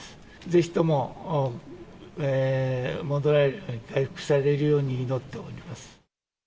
ぜひとも、戻られる、回復されるように祈っております。